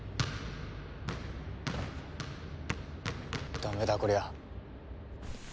ダメだこりゃ。